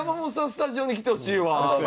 スタジオに来てほしいわ。